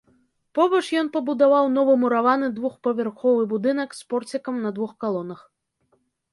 Побач ён пабудаваў новы мураваны двухпавярховы будынак з порцікам на двух калонах.